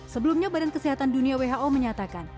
sebelumnya badan kesehatan dunia who menyatakan